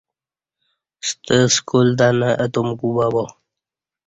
ستہ سکول تہ نہ اتم کوبہ با